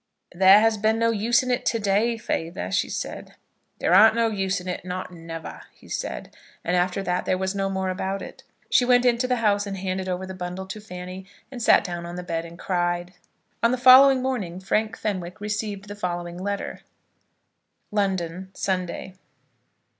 "There has been no use in it to day, feyther," she said. "There arn't no use in it, not never," he said; and after that there was no more about it. She went into the house and handed the bundle to Fanny, and sat down on the bed and cried. On the following morning Frank Fenwick received the following letter: London, Sunday.